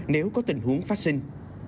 nếu có tình huống phát sinh